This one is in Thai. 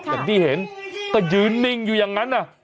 อย่างที่เห็นก็ยืนนิ่งอยู่อย่างนั้น